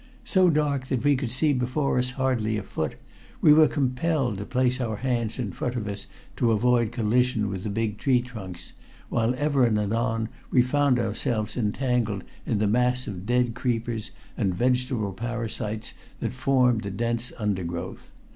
So dark that we could see before us hardly a foot, we were compelled to place our hands in front of us to avoid collision with the big tree trunks, while ever and anon we found ourselves entangled in the mass of dead creepers and vegetable parasites that formed the dense undergrowth.